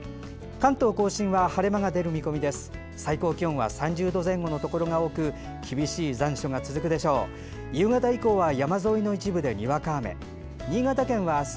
関東・甲信は晴れ間が出る見込みです。